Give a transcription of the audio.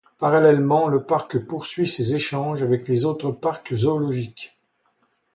Parallèlement, le parc poursuit ses échanges avec les autres parcs zoologiques.